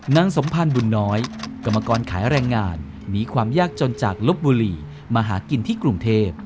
สมพันธ์บุญน้อยกรรมกรขายแรงงานมีความยากจนจากลบบุรีมาหากินที่กรุงเทพ